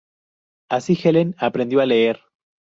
Así, Helen aprendió a leer.